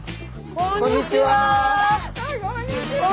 こんにちは！